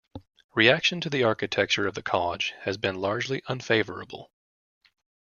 Reaction to the architecture of the college has been largely unfavourable.